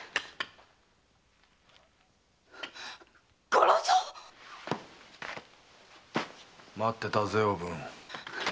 五六蔵⁉待ってたぜおぶん。